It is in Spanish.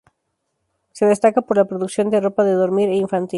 Se destaca por la producción de ropa de dormir e infantil.